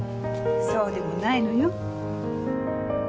そうでもないのよ。